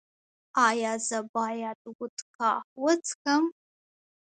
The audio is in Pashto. ایا زه باید وودکا وڅښم؟